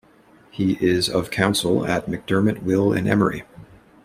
He is of Counsel at McDermott Will and Emery.